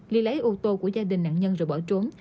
ly lấy ô tô của gia đình nạn nhân rồi bỏ trốn